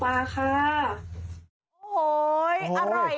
เอาหวังพี่ตอนนี้พี่ขอดูกันได้ไหม